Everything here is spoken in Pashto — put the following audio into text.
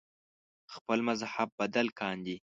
خپل مذهب بدل کاندي